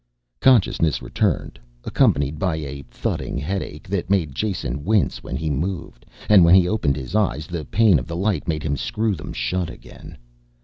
Consciousness returned, accompanied by a thudding headache that made Jason wince when he moved, and when he opened his eyes the pain of the light made him screw them shut again.